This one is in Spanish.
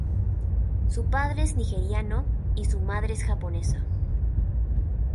Su padre es nigeriano y su madre es japonesa.